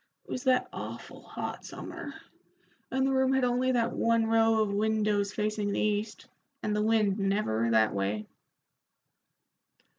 It was that awful hot summer, and the room had only that one row of windows facing the east, and the wind never that way."